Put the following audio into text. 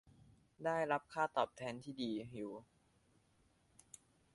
ได้รับค่าตอบแทนดีอยู่